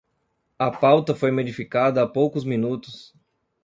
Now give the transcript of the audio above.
A pauta foi modificada há poucos minutos